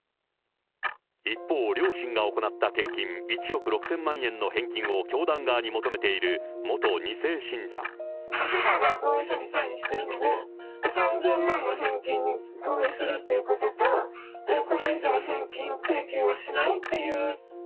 一方、両親が行った献金１億６０００万円の返金を教団側に求めている元母が合意書にサインしてるので、３０００万の返金に合意するっていうことと、これ以上、返金請求はしないっていう。